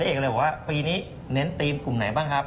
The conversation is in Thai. เอกเลยบอกว่าปีนี้เน้นทีมกลุ่มไหนบ้างครับ